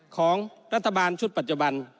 ของรัฐบาลชุดปัจจุบัน